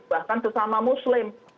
bahkan sesama muslim